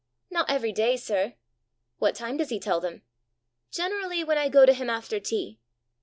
"Not every day, sir." "What time does he tell them?" "Generally when I go to him after tea."